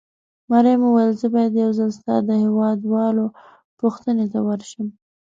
مريم وویل: زه باید یو ځل ستا د هېواد والاو پوښتنې ته ورشم.